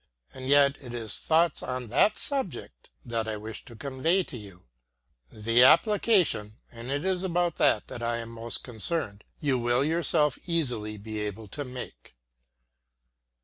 And yet it is thoughts on that subject that I wish to convey to you. The application and it is about that I am most concerned you will yourself easily be able to make.